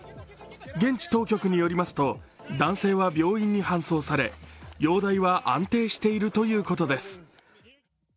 現地当局によりますと男性は病院に搬送され、容体は安定しているということです。